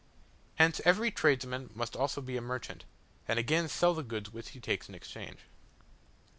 Hence every tradesman must also be a merchant, and again sell the goods which he takes in exchange.